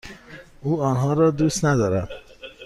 او آنها را دوست ندارد.